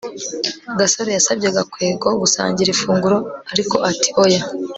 gasore yasabye gakwego gusangira ifunguro, ariko ati oya